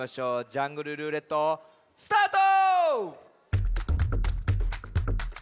「ジャングルるーれっと」スタート！